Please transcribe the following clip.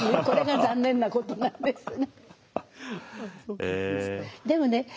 これが残念なことなんですね。